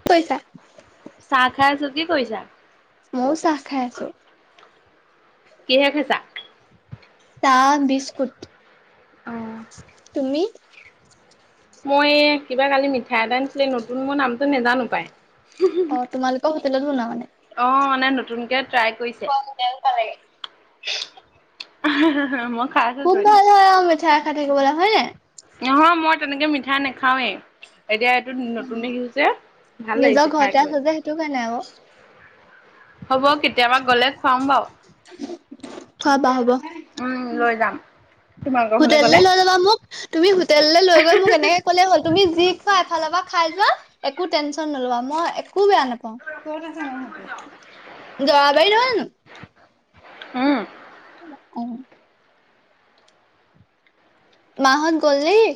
কি কৰিছা? চাহ খাই আছো, কি কৰিছা? মইয়ো চাহ খাই আছো। কিহে খাইছা? চাহ বিস্কুট। তুমি? মই কিবা কালি মিঠাই এটা আনিছিলে নতুন মই নামটো নেজানো পাই। অ', তোমালোকৰ হোটেলত বনুৱা মানে। অ', মানে নতুনকে ট্ৰাই কৰিছে। হোটেল পালেগে। [unintelligible] খুব এতিয়া। ভাল হয় আও মিঠাই খাই থাকিবলে হয় নাই? নহয় মই তেনেকে মিঠাই নেখাওৱেই। এতিয়া এইটো নতুন দেখিছো যে ভাল নিজৰ লাগিছে খাই ঘৰতে কৰি। আছো যে সেইটো কাৰণে আকৌ। হ'ব কেতিয়াবা গ'লে খোৱাম বাও। খোৱাবা হ'ব। উম, লৈ যাম। তোমালোকৰ ঘৰলে হোটেল লে গ'লে। লৈ যাব মোক। তুমি হোটেললে লৈ গৈ মোক এনেকে কলে হ'ল তুমি যি খোৱা এফালৰ পৰা খাই যোৱা একো টেনচন নলবা মই একো বেয়া নাপাও। কত আছে সেইখন হোটেল? জয়া বাৰি নহয় জানো? উম। [unintelligible] মাহত গ'ল নেকি?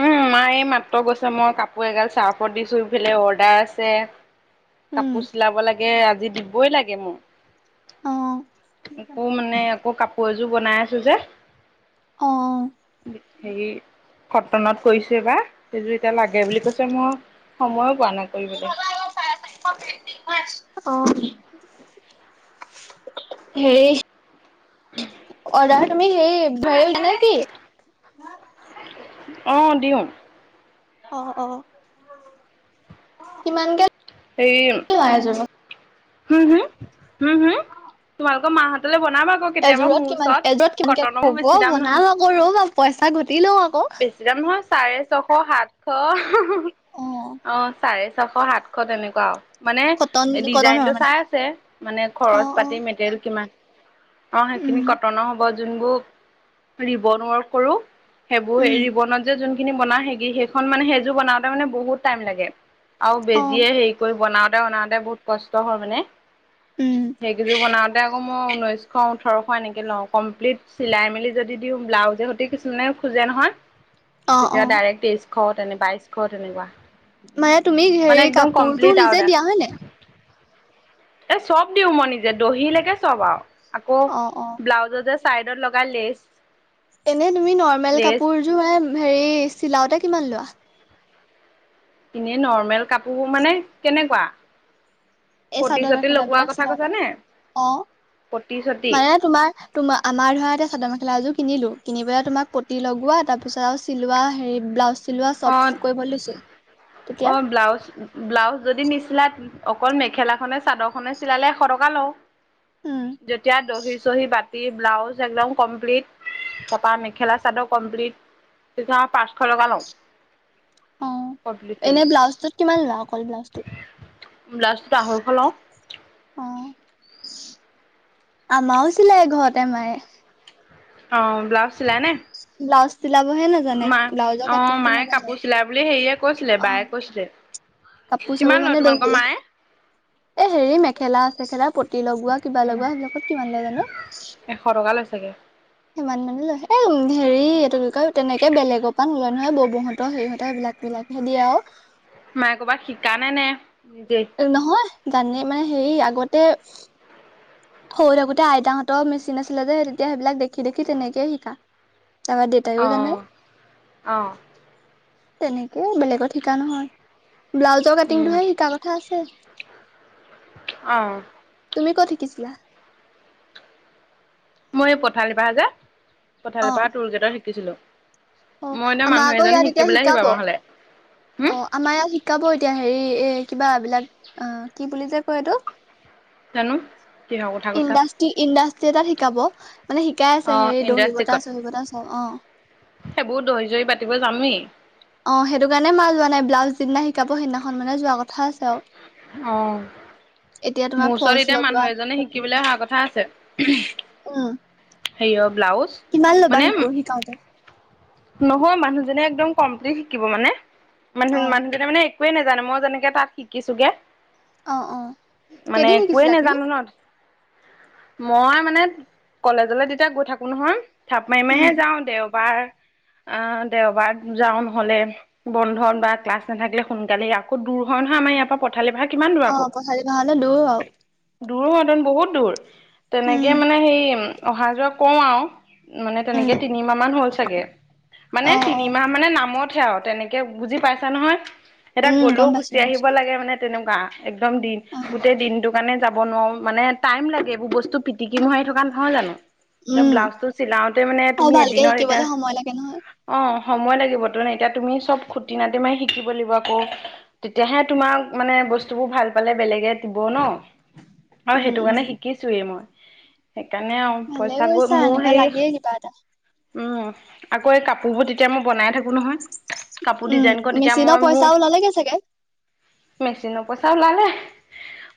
উম, মায় মাত্ৰ গৈছে মই কাপোৰ এগাল চাৰ্ফত দিছো ইফালে অৰ্ডাৰ আছে। উম। কাপো চিলাব লাগে আজি দিবই লাগে অ'। মোৰ। আকৌ মানে আকৌ কাপোৰ এযোৰ বনাই আছো যে। অঁ' অঁ হেৰি - কটনত কৰিছোঁ এইবাৰ এইযোৰ এতিয়া লাগে বুলি কৈছে মই সময়ে পোৱা নাই কৰিবলে। অ', হেৰি - অৰ্ডাৰ তুমি সেই [unintelligible] নে কি? অঁ', দিওঁ। অ', অ', কিমানকে - এই হম, হম, হম, হম? মোৰ এযোৰত কিমান ওচৰত এযোৰত কটনৰ মোৰ বেছি দাম নহয় কেনেকে ল‌ও [unintelligible] পইচা ঘটি লওঁ আক। বেছি দাম নহয় চাৰে ছশ সাতশ অ', চাৰে ছশ সাত- শ তেনেকুৱা আও। মানে কটন কটনৰ ডিজাইন টো মানে? চাই আছে মানে অ খৰচ অ। পাতি মেটেল কিমান। অ', সেইখিনি উম কটনৰ হ'ব যোনবোৰ ৰিবন ওৰ্কক কৰো সেইবোৰ উম ৰিবনত যে যোনখিনি বনাও সেগি সেইখন মানে সেইযোৰ বনাওতে মানে বহুত টাইম লাগে। আও অ বেজিয়ে হেৰি কৰি বনাওতে বনাওতে বহুত কষ্ট হয় মানে। উম সেইকেইযোৰ বনাওঁতে আকৌ মই ঊনৈছ - শ ওঠৰশ এনেকৈ লওঁ কমপ্লিট চিলাই মেলি যদি দিওঁ ব্লাউজে সৈতে কিছুমানে খোজে নহয়। অ অ। তেতিয়া ডাইৰেক্ট তেইশ তেনে বাইশ তেনেকুৱা। মানে তুমি মানে হেৰি একদম কাপোৰটো কমপ্লিট আৰু নিজে দা দিয়া হয় নাই? এ চব দিও মই নিজে দহিলৈকে চব আৰু আকৌ অ অ। ব্লাউজত যে চাইডত লগা লেচ। এনে তুমি নৰ্মেল লেচ কাপোৰযোৰ হেৰি চিলাওতে কিমান লোৱা? এনে নৰ্মেল কাপোৰবোৰ মানে কেনেকুৱা? এই পতি চাদৰ চতি মেখেলা লগোৱাৰ বিলাক কথা চিলাওতে কৈছানে? অঁ পতি চতি মানে তোমাৰ তোমাৰ আমাৰ ধৰা এতিয়া চাদৰ মেখেলা এযোৰ কিনিলোঁ কিনি পেলাই তোমাক পটি লগোৱা তাৰপিছত আৰু চিলোৱা হেৰি ব্লাউজ চিলোৱা চব অ', কৰিবলৈ দিছো তেতিয়া? অ', ব্লাউজ ব্লাউজ যদি নিচিলাই অকল মেখেলাখনে চাদৰখনে চিলালে এশ টকা লওঁ। উম যেতিয়া দহি চহি বা টি ব্লাউজ একদম কমপ্লিট পতা মেখেলা চাদৰ কমপ্লিট তেতিয়া পাঁচশ টকা লওঁ। অঁ, কমপ্লিট কৰি। এনে ব্লাউজটোত কিমান লোৱা অকল ব্লাউজটোত? ব্লাউজটোত আঢ়ৈশ লওঁ। অঁ আমাৰো চিলাই ঘৰতে মায়ে। অঁ, ব্লাউজ চিলাই নে? ব্লাউজ চিলাবহে না মা অঁ মায়ে কাপোৰ চিলাই বুলি হেৰিয়ে কৈছিলে অ বায়ে কৈছিলে। কাপোৰ কিমান চাপোৰ লয় মানে তোমালোকৰ দহি মায়ে? এ হেৰি মেখেলা চেখেলা পতি লগোৱা কিবা লগোৱা সেইবিলাকত কিমান লয় জানো? এশ টকা লয় চাগে। সিমান মানে লয়, এই হেৰি এইটো কি কয় তেনেকৈ বেলেগৰ পৰা নলয় নহয় ববৌহঁতৰ হঁতৰ হেৰি হঁতৰ সেইবিলাক বিলাকহে দিয়ে আৰু। মায়ে কৰ'বাত শিকানে নে নিজে? নহয় জানেই মানে হেৰি আগতে সৰু থাকোতে আইতাহঁতৰ মেচিন আছিলে যে তেতিয়া সেইবিলাক দেখি দেখি তেনেকেই শিকা। তাৰপৰা দে তাইও জানে, অ'। অ', তেনেকে বেলেগত শিকা নহয়। ব্লাউজৰ উম, কাটিংটোহে শিকাৰ কথা আছে। অ', তুমি ক'ত শিকিছিলা? মই এই পথালিপাহাৰ যে, অ পথালিপাহাৰৰ টুল গেটত শিকিছিলো। অ' মই এতিয়া আমাৰ মানুহ আকৌ এজনী ইয়াত এতিয়া শিকিবলৈ আহিবা শিকাব। আমাৰ ঘৰলে হম, অ'। আমাৰ ইয়াত শিকাব এতিয়া হেৰি এ কিবা এই বিলাক অ কি বুলি যে কয় এইটো জানো। কিহৰ কথা কৈছা। ইণ্ডাষ্ট্ৰি ইণ্ডাষ্ট্ৰি এটাত শিকাব মানে শিকাই আছে অ', হেৰি দৰ্হি বতা ইণ্ডাষ্ট্ৰিকত চহি বতা চব, অঁ। সেইবোৰ দহি জহি বাতিব জানোৱে। অঁ সেইটো কাৰণে মাঁ যোৱা নাই ব্লাউজ যিদিনা শিকাব সেইদিনাখন মানে যোৱা কথা আছে আৰু। অঁ, তোমাৰ মোৰ ওচৰত ফলচ এতিয়া লগোৱা মানুহ এজনে শিকিবলৈ অহা কথা আছে। উম হেৰিয়ৰ ব্লাউজ কিমান ল'বা মানে শিকো শিকাওতে? নহয় মানুহজনে একদম কমপ্লিট শিকিব মানে মানুহ অ মানুহজনে মানে একোৱে নোজানে মই যেনেকে তাত শিকিছোগে অ অ মানে কেইদিন একোৱে শিকিছিলা তুমি নাজানে ন মই মানে কলেজলে যেতিয়া গৈ থাকো নহয় থাপ মাৰি উম মাৰিহে যাওঁ। দেও বাৰ আহ দেওবাৰ যাও নহলে বন্ধন বা ক্লাছ নাথাকিলে সোনকালে আকৌ দূৰ হয় নহয়। আমাৰ ইয়াৰ পৰা পঠালি ভৰা কিমান দূৰ অ আকৌ পথালি বাহলে দূৰ আৰু দূৰো হতেন বহুত দূৰ উম তেনেকে মানে হেই অহা যোৱা কৰওঁ আৰু মানে উম তেনেকে তিনিমাহ মান হ'ল চাগে। মানে অ অ তিনিমাহ মানে নামতহে আৰু তেনেকে বুজি পাইছা নহয়। এটা উম গ'লেও গম পাইছো গুচি গম পাইছো আহিব লাগে মানে তেনেকুৱা একদম দিন অ গোটেই দিনটোক কাৰণে যাব নোৱাৰো মানে টাইম লাগে। এইবোৰ বস্তু পিটিকি মোৰি থকা নহয় জানো এ উম ব্লাউজটো চিলাওতে মানে অ তুমি ভালকে এদিনৰ এতিয়া শিকিবলে সময় লাগে নহয়। অ সময় লাগিব তো এতিয়া তুমি চব খুটি নাতি মাৰি শিকিব লাগিব আকৌ। তেতিয়াহে তোমাক মানে বস্তুবোৰ ভাল পালে বেলেগে দিব ন। আৰু উম সেইটো উম কাৰণে শিকিছোয়েই মই। সেইকাৰণে আৰু ভালে পইচা কৰিছা গৈ মোৰ এনেকুৱা হেৰি লাগে কিবা এটা উম আকৌ এই কাপোৰবোৰ তেতিয়া মই বনাই থাকো নহয়। কাপোৰ উম ডিজাইন কৰ তেতিয়া মেচিনৰ মই পইচা মোৰ ওলালেগে চাগে মেচিনৰ পইচা ওলালে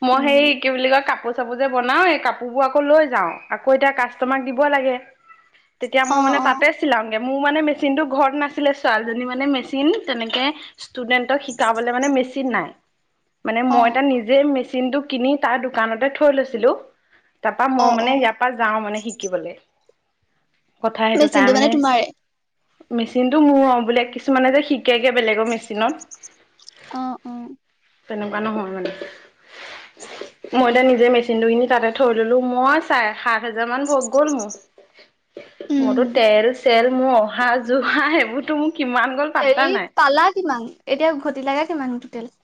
মই সে উম কি বুলি কয় কাপোৰ চব যে বনাও এই কাপোৰ বোৰ আকৌ লৈ যাও আকৌ এতিয়া কাষ্টমাৰক দিব লাগে। তেতিয়া অ মই মানে অ তাতে চিলাম। মোৰ মানে মেচিন টো ঘৰত নাছিলে ছোৱালীজনীৰ মানে মেচিন তেনেকে ষ্টুডেন্টক শিকাবলে মানে মেচিন নাই মানে অ মই এটা নিজে যে মেচিন টো কিনি তাৰ দোকানতে থৈ লৈছিলো তাৰ পৰা অ মই অ মানে ইয়াত তাপা যাও মানে শিকিবলে কথা সেইটো তাৰ মেচিনটো মানে তোমাৰে মেচিনতটো মোৰ অ বোলে কিছুমানে যে শিকেগে বেলেগৰ মেচিনত। অ অ। তেনেকুৱা নহয় মানে মই এতিয়া নিজে মেচিন টো কিনি তাতে থৈ দিলো মই চাৰে সাত হাজাৰ মান ভগ গ'ল মোৰ উম মোৰতো তেল তেল মোৰ অহা জোৱা সেইবোৰতো মোৰ কিমান গ'ল। পাত্তা হেৰি নাই। পালা কিমান এতিয়া ঘটিলা গে কিমান টোটেল।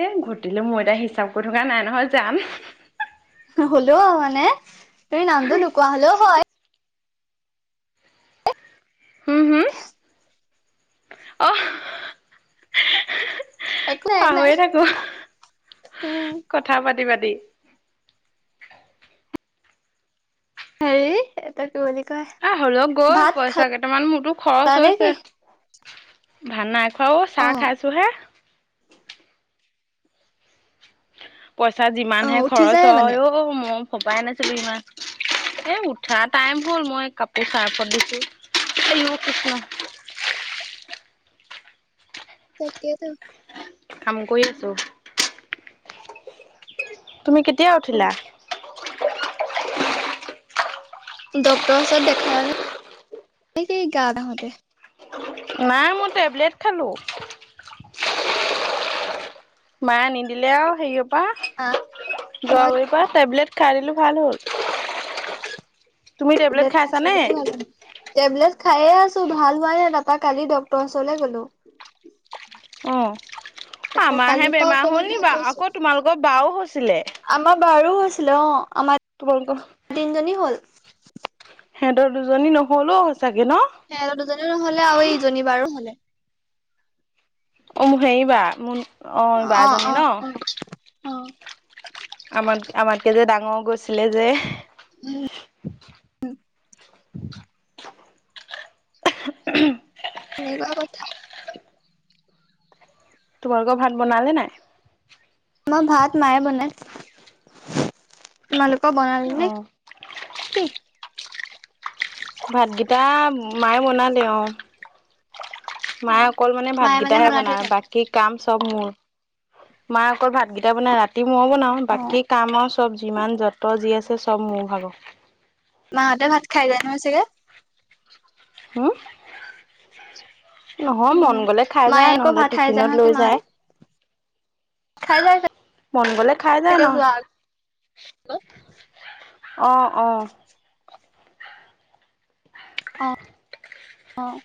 এ ঘটিলো মোৰ এতিয়া হিচাপ কৰি থকা নাই নহয় যান। হ'লেও মানে তুমি নামটো নোকোৱা হলেও হয়। অহ। একো নাই একো নাই পাহৰি এ থাকো উম কথা পাতি পাতি। হেৰি এইটো কি বুলি কয় এ হ'লেও গ'ল ভাত পইচা কেইটামান মোৰতো খৰচ খালা নে হৈছে কি? ভাত নাই খোৱাও অ চাহ খাইছো হে। পইচা অ যিমানহে উঠি খৰচ যায় মানে হয় অ মই ভবাই নাছিলো ইমান এ উঠা টাইম হ'ল। মই কাপোৰ চাৰ্ফত দিছো আইও কৃষ্ণ [inaudible] তাকেতো কাম কৰি আছো। তুমি কেতিয়া উঠিলা? ড্ক্তৰৰ ওচৰত দেখালানে গা বেয়া হতে নাই মই টেবলেট খালোঁ। [inaudible] মায়ে নিদিলে আৰু হেৰি পৰা হা মই গোৱাবৰিৰ পৰা টেবলেট খাই দিলো ভাল হ'ল। [unintelligible] তুমি টেবলেট খাইছা খাইছো নে? [inaudible] যদিও ভাল হোৱা নাই টেবলেট খাই এ আছো ভাল হোৱা নাই। তাৰপা কালি ডক্টৰ ওচৰলৈ গ'লো। [inaudible] অঁ! তাৰপা আমাৰহে কালিৰ পৰা বেমাৰ অকমান হ'ল নি ভাল বাৰু। পাইছো আকৌ তোমালোকৰ বাও হৈছিলে। [inaudible] আমাৰ বাৰো হৈছিলে অঁ‌ আমাৰ [unintelligible] তোমালোকৰ [inaudible] তিনিজনীৰ হ'ল। [inaudible] সিহঁতৰ দুজনী নহল অ সঁচাকে ন। [inaudible] সেহঁতৰ দুজনী নহ'লে আৰু ইজনী বাৰো হল [inaudible] অ মোৰ হেৰি বা মোৰ অ এই বাজনী ন। [inaudible] অ আমাত আমাতকৈ যে ডাঙৰ গৈছিলে যে। [inaudible] উম [inaudible] উম! উ [inaudible] [inaudible] তেনেকুৱা কথা। [inaudible] তোমালোকৰ ভাত বনালে নাই? [unintelligible] আমাৰ ভাত মায়ে বনাই। তোমালোকৰ বনালে অ নে? [inaudible] কি? ভাতকেইটা মায়ে বনালে অঁ। [inaudible] মায়ে অ', অকল মানে মায়ে ভাতকেইটাহে বনাই থৈ বনায় যায়। বাকী কাম চব মোৰ। [inaudible] মা অকল ভাতকেইটা বনাই ৰাতি মই বনাও অ', বাকী কামৰ [inaudible] চব যিমান যত যি আছে চব মোৰ ভাগৰ। [unintelligible] মাহঁতে ভাত খাই যায় নহয় চাগে? [inaudible] হম [unintelligible] নহয় উম। মন গলে খাই মায়ে যায় আকৌ নহলে ভাত খাই টিফিনত নহয় লৈ চাগে মাহঁতে? যায়। খাই যায় [inaudible] মন গলে খাই যায় চাগে নহ [unintelligible] যোৱাৰ আগত। অঁ-অঁ। [unintelligible] অঁ! [unintelligible] অঁ!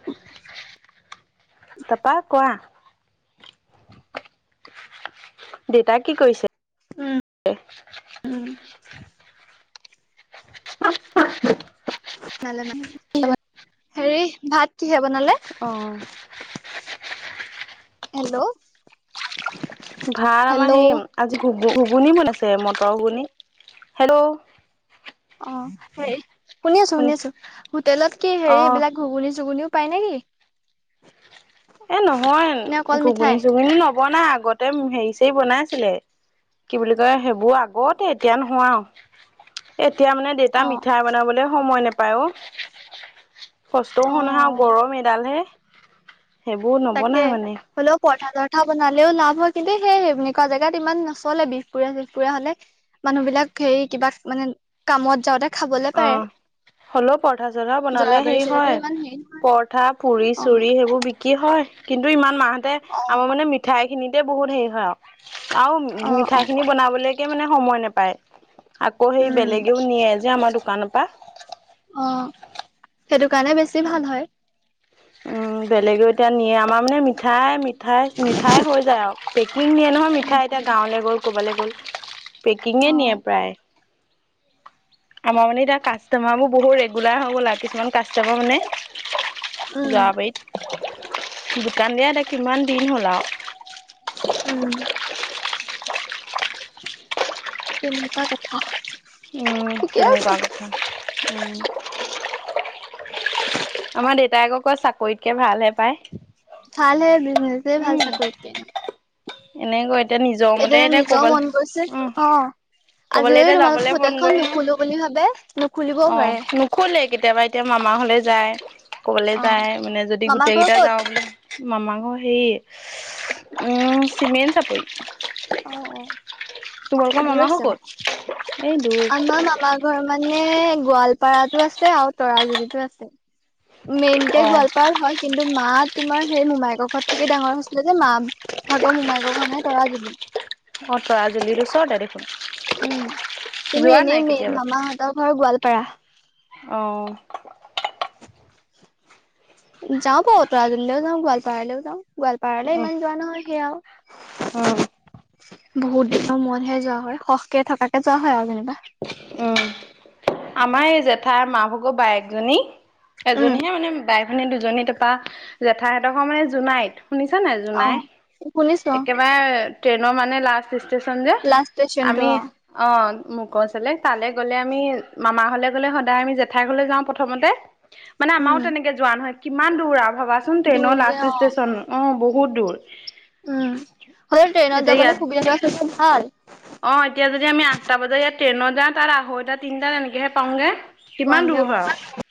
[inaudible] তাৰপা কোৱা? [inaudible] দেউতাই কি কৰিছে? [inaudible] উম! [unintelligible] উম! [inaudible] ভালে মানে [unintelligible] হেৰি ভাত কিহে বনালে? অ! [unintelligible] হেল্ল'! [inaudible] ভাত আমাৰ হেল্ল', হেৰি আজি ঘূ-ঘুগুনি বনাইছে মটৰ ঘুগুনি। হেল্ল'! [unintelligible] অঁ! হেৰি শুনি আছো, শুনি আছো। হোটেলত কি অ হেৰি এইবিলাক [inaudible] ঘূগুনি-চুগুনিও পাই নেকি? [unintelligible] এ নহয় নে অকল মিঠাই? ঘুগুনি-চুগুনি নবনাই আগতে হেৰি-চেৰি বনাইছিলে। [inaudible] কি বুলি কয় সেইবোৰ আগতে এতিয়া নহয় আৰু। এতিয়া মানে [inaudible] দেউতা অ', মিঠাই বনাবলৈ সময় নেপায় অ। কষ্টও শুনা অ'। গৰম [inaudible] ডালহে [unintelligible] তাকে হ'লেও [unintelligible] পৰঠা-চৰঠা বনালেও লাভ হয় কিন্তু সেই সেনেকুৱা জেগাত ইমান নচলে। বিহপুৰীয়া-চিফপুীয়া হ'লে [unintelligible] মানুহ বিলাক হেৰি কিবা মানে কামত যাওঁতে খাবলে পাৰে। অ [inaudible] হলেও পৰঠা চঠা বনালে জৰাবাৰী হেৰি চাইডেতো হয় ইমান হেৰি নহয় পৰঠা পুৰি অ চুৰি সেইবোৰ বিক কি হয় কিন্তু ইমান মা হতে অ আমাৰ মানে মিঠাই খিনিতে বহুত হেৰি হয় আও অ আও অ মিঠাই খিনি বনাবলৈকে মানে সময় নেপায় আকৌ সেই উম বেলেগেও নিয়ে যে আমাৰ দোকানৰ পা অ সেটোকাণে বেছি ভাল হয় উম বেলেগেও এতা নিয়ে আমাৰ মানে মিঠাই মিঠাই মিঠাই হৈ যায় আৰু পেকিং নিয়ে নহয় উম মিঠাই এতিয়া উম গাঁৱলে গ'ল ক'বালে গ'ল পেকিংয়ে অ নিয়ে প্ৰায় আমাৰ মানে এতিয়া কাষ্টমাৰ বোৰ বহুত ৰেগুলাৰ হৈ গ'ল আ কিছুমান কাষ্টমাৰ মানে উম যোৱাবাৰীত দোকান দিয়া এটা কিমান দিন হ'ল আউ উম তেনেকুৱা কথা উম ঠিকে আছে তেনেকুৱা কথা উম আমাৰ দেউতাই আকৌ কয় চাকৰিতকে ভালহে পায় ভাল হে বিজনেজে ভাল চাকৰিত কে এনেও এনে কৈত এতিয়া নিজৰও মন গৈছে অ আজি ক'বালে এই এতিয়া যাবলে তোমালোকৰ মন হোটেল গ'ল ন নুখোলো বুলি ভাবে নু অ নুখোলেই কেতিয়াবা এতিয়া মামা ঘ'লে যায় ক'বালে অ যায় মানে যদি মামা গোটেই ঘৰ গেটা ক'ত যাওঁ বোলে মামা ঘৰ হেৰি উম চিমেন চাপৰি অ অ তোমালোকৰ দূৰ মামা ঘৰ আছে অকণ ক'ত এই দূৰ আমাৰ মামা ঘৰ মানে গোৱালপাৰাতো আছে আৰু তৰাজলীতো আছে মেইনকে অ গোৱালপাৰাৰ হয় কিন্তু মা তোমাৰ সেই মোমায়েকৰ ঘৰত থাকি ডাঙৰ হৈছিলে যে, মা ভাগৰ মোমায়েকৰ ঘৰ মানে তৰাজুলি। অ তৰাজুলীত, ওচৰতে উম দেখোন। কিন্তু যোৱা নাই এনেই মেইন কেতিয়াবা মামাহঁতৰ ঘৰ গোৱালপাৰা। অ যাওঁ বাৰু তৰাজুলীলৈও যাওঁ, গোৱালপাৰালৈও যাওঁ। গোৱালপাৰালে ইমান যোৱা নহয় সেয়াও। অ বহুত দিনৰ মূৰতহে যোৱা হয়। সৰহকে থকাকে যোৱা হয় আৰু যেনিবা। উম আমাৰ এই জেঠাই মা ভাগৰ বায়েকজনী উম এজনীহে মানে বাই ভনী দুজনী তাৰপা জেঠাই হঁতৰ ঘৰ মানে জোনাইত শুনিছা নাই অ জোনাই শুনিছো একেবাৰে ট্ৰেইনৰ মানে লাস্ট ষ্টে ষ্টেচন যে লাষ্ট ষ্টেচনটো আমি অ মো গচলে তালে গ'লে আমি মামা ঘলে গ'লে সদায় আমি জেঠাই ঘৰলে যাওঁ প্ৰথমতে মানে উম আমাৰও তেনেকে যোৱা নহয় কিমান দূৰ আও ভবাচোন ট্ৰেইনৰ দূৰ যে লাষ্ট অ'। ষ্টেচন অ বহুত দূৰ উম হৈ ট্ৰেইনত এতিয়া ইয়াত যাবলে সুবিধাটো আছলতে ভাল অ এতিয়া যদি আমি আঠটা বজাত ইয়াত ট্ৰেইনত যাওঁ, তাত আঢ়ৈটা, তিনটাত তেনেকেহে পাওঁগে। কিমান পোৱাংগে দূৰ অ'। হয় আও